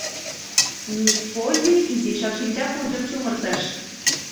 Мисс Полли изишак шинчапунжым чумыртыш.